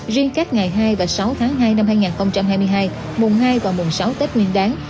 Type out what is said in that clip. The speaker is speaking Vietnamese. riêng các ngày hai và sáu tháng hai năm hai nghìn hai mươi hai mùng hai và mùng sáu tết nguyên đáng